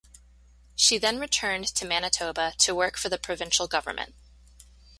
She then returned to Manitoba to work for the provincial government.